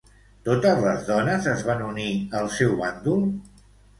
Totes les dones es van unir al seu bàndol?